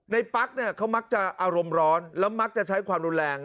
ในปากเขามักจะอารมณ์ร้อนและมักจะใช้ความรุนแรง